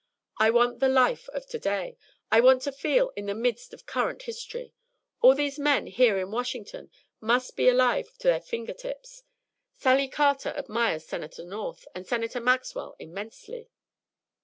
I want the life of to day. I want to feel in the midst of current history. All these men here in Washington must be alive to their finger tips. Sally Carter admires Senator North and Senator Maxwell immensely."